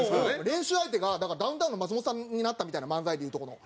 練習相手がだからダウンタウンの松本さんになったみたいな漫才でいうとこの。